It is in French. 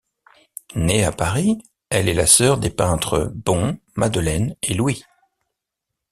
Née à Paris, elle est la sœur des peintres Bon, Madeleine et Louis.